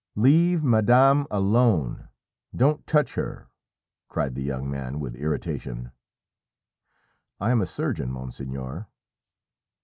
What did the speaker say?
"Leave madame alone don't touch her," cried the young man with irritation. "I am a surgeon, monseigneur."